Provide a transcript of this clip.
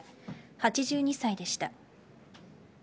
８２歳でした。